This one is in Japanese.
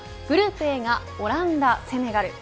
グループＡがオランダ、セネガル。